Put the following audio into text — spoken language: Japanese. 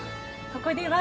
ここでは